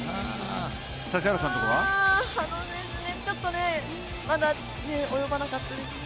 羽野選手ね、ちょっとね、まだ及ばなかったですね。